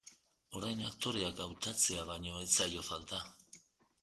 Orain aktoreak hautatzea baino ez zaio falta.